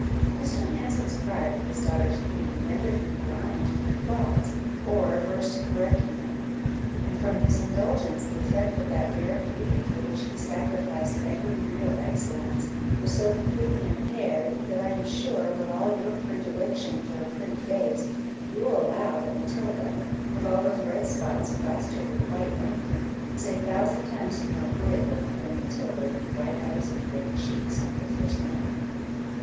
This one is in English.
Mr. Hanson's pride of his daughter's beauty rendered him blind to her faults, or averse to correcting them; and from his indulgence, the effect of that very beauty for which he sacrificed every real excellence, was so completely impaired, that I am sure, with all your predilection for a pretty face, you will allow that Matilda, with all those red spots plastered with white ointment, is a thousand times more agreeable than Matilda with bright eyes and ruddy cheeks on her first landing."